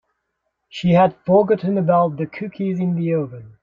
She had forgotten about the cookies in the oven.